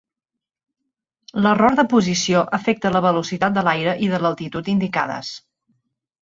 L'error de posició afecta la velocitat de l'aire i de l'altitud indicades.